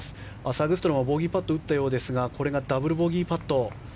サグストロムはボギーパットを打ったようですがこれがダブルボギーパット。